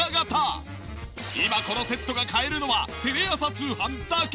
今このセットが買えるのはテレ朝通販だけ！